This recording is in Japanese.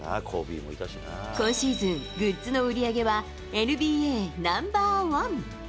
今シーズン、グッズの売り上げはＮＢＡナンバーワン。